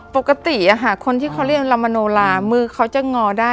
ปกติคนที่เขาเรียกลามโนลามือเขาจะงอได้